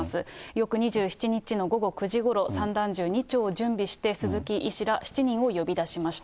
翌２７日の午後９時ごろ、散弾銃２丁を準備して、鈴木医師ら７人を呼び出しました。